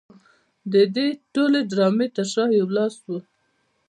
د دې ټولې ډرامې تر شا یو لاس و